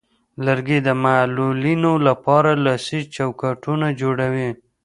لرګی د معلولینو لپاره لاسي چوکاټونه جوړوي.